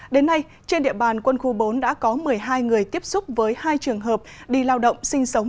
đến nay trên địa bàn quân khu bốn đã có một mươi hai người tiếp xúc với hai trường hợp đi lao động sinh sống